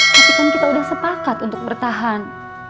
tapi kan kita sudah sepakat untuk bertahan